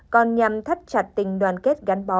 còn nhằm thắt chặt tình đoàn kết gắn bó